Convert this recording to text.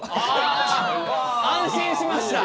あ安心しました。